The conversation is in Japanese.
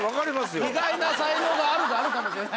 意外な才能があるかもしれない。